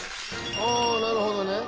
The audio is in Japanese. あなるほどね。